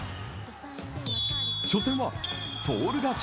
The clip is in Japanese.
初戦はフォール勝ち。